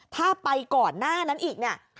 ถ้าไปก่อนหน้านั้นอีกเนี่ย